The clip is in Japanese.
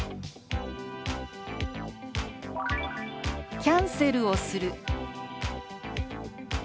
「キャンセルをする」。